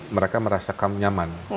mereka merasa nyaman